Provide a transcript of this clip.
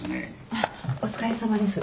あっお疲れさまです。